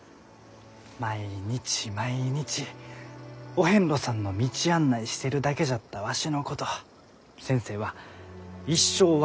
毎日毎日お遍路さんの道案内してるだけじゃったわしのこと先生は「一生忘れられん出会いじゃ」